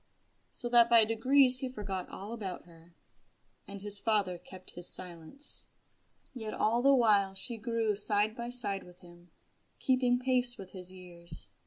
So that by degrees he forgot all about her. And his father kept silence. Yet all the while she grew side by side with him, keeping pace with his years.